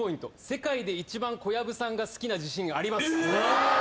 世界で一番小籔さんが好きな自信あります。